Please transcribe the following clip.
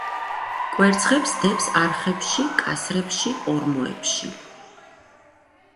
კვერცხებს დებს არხებში, კასრებში, ორმოებში.